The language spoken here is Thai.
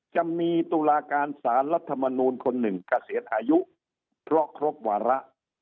จะมีตุลาการสารรัฐมนูลคนหนึ่งเกษียณอายุเพราะครบวาระ